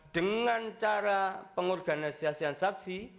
dengan cara pengorganisasian saksi